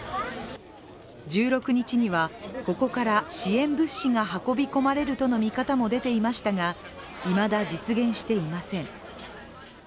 １６日には、ここから支援物資が運び込まれるとの見方も出ていましたがいまだ、実現していません。